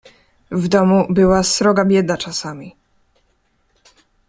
"W domu była sroga bieda czasami."